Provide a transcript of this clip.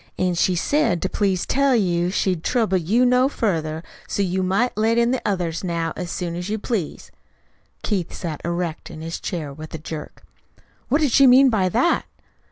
"An' she said to please tell you she'd trouble you no further, so you might let in the others now as soon as you please." Keith sat erect in his chair with a jerk. "What did she mean by that?"